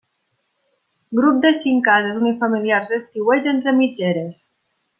Grup de cinc cases unifamiliars d'estiueig entre mitgeres.